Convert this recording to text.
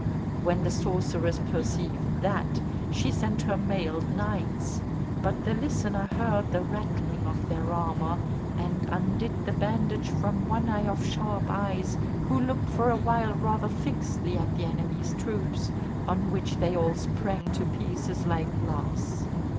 When the sorceress perceived that, she sent her mailed knights; but the Listener heard the rattling of their armour, and undid the bandage from one eye of Sharp eyes, who looked for a while rather fixedly at the enemy's troops, on which they all sprang to pieces like glass.